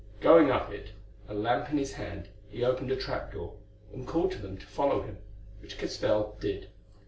Going up it, a lamp in his hand, he opened a trap door and called to them to follow him, which Castell did.